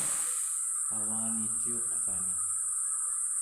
avani ciuqvani